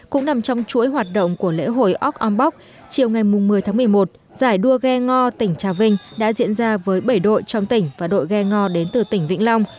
cũng nằm trong chuỗi hoạt động của lễ hội ốc ong bóc chiều ngày một mươi tháng một mươi một giải đua ghe ngò tỉnh trà vinh đã diễn ra với bảy đội trong tỉnh và đội ghe ngò đến từ tỉnh vĩnh long